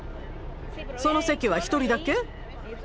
その席は１人だけ？